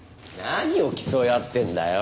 何を競い合ってんだよ。